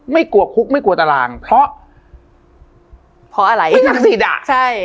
ไม่กลัวคุกไม่กลัวตารางเพราะเพราะอะไรไม่ศักดิ์สิทธิ์อ่ะใช่